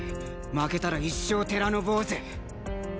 負けたら一生寺の坊主。